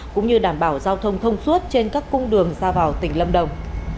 cũng như đảm bảo giao thông thông suốt trên các cung đường ra vào tỉnh lâm đồng